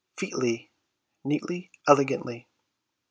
Featly: neatly, elegantly.